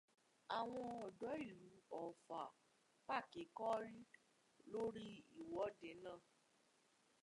Àwọn ọ̀dọ́ ìlú Ọ̀ffa fàákékọ́rí lórí ìwọ́de náà.